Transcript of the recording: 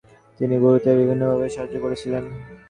তিনি গুরুদের বিভিন্নভাবে সাহায্য করেছিলেন।